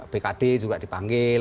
bkd juga dipanggil